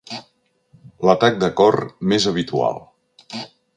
L'atac de cor més habitual.